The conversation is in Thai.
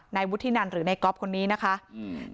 นายวุฒิทินันหรือในก๊อฟคนนี้นะคะอืม